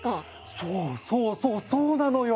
そうそうそうそうなのよ！